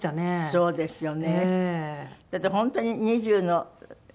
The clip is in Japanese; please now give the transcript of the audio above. そうですよ。